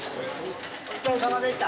お疲れさまでした。